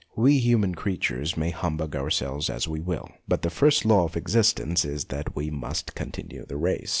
We human creatures may humbug ourselves as we will, but the first law of our existence is that we must continue the race.